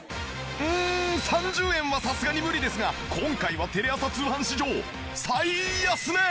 うーん３０円はさすがに無理ですが今回はテレ朝通販史上最安値！